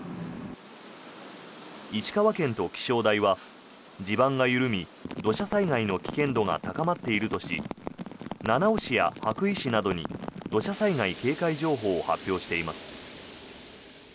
石川県と気象台は、地盤が緩み土砂災害の危険度が高まっているとし七尾市や羽咋市などに土砂災害警戒情報を発表しています。